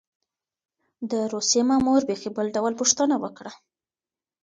د روسيې مامور بېخي بل ډول پوښتنه وکړه.